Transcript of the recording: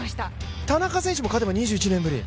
田中選手も勝てば２１年ぶり。